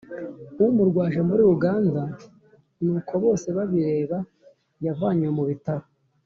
umurwaje muri uganda, ni uko bosebabireba yavanywe mu bitaro,